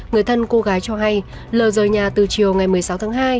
người thân cô gái cho hay lờ rời nhà từ chiều ngày một mươi sáu tháng hai